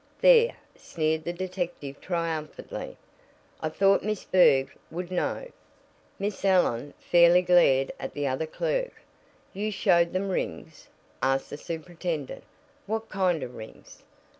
"There!" sneered the detective triumphantly, "I thought Miss Berg would know." Miss Allen fairly glared at the other clerk. "You showed them rings?" asked the superintendent. "What kind of rings?"